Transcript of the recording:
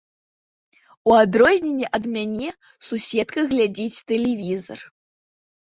У адрозненне ад мяне, суседка глядзіць тэлевізар.